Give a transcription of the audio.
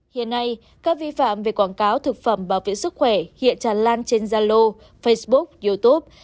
hiện nay các vi phạm về quảng cáo thực phẩm bảo vệ sức khỏe hiện tràn lan trên zalo facebook youtube